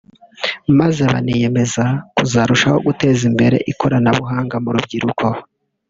maze baniyemeza kuzarushaho guteza imbere ikoranabuhanga mu rubyiruko